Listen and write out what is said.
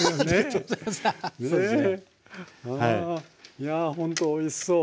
いやほんとおいしそう。